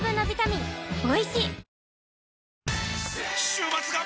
週末が！！